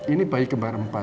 ini bayi kembar empat